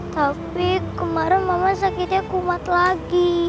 tapi kemarin mama sakitnya kumat lagi